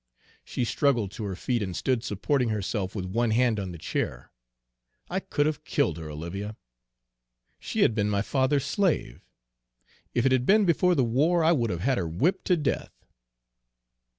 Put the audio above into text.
"She struggled to her feet, and stood supporting herself with one hand on the chair. I could have killed her, Olivia! She had been my father's slave; if it had been before the war, I would have had her whipped to death.